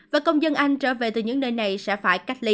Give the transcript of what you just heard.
và công dân anh trở về từ những nơi này sẽ phải cách ly